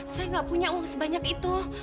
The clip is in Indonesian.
saya nggak punya uang sebanyak itu